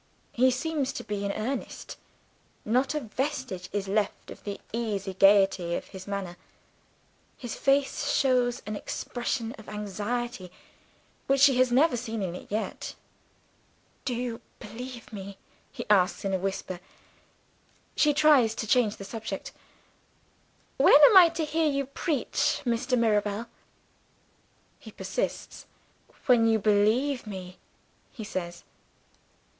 He seems to be in earnest; not a vestige is left of the easy gayety of his manner. His face shows an expression of anxiety which she has never seen in it yet. "Do you believe me?" he asks in a whisper. She tries to change the subject. "When am I to hear you preach, Mr. Mirabel?" He persists. "When you believe me," he says.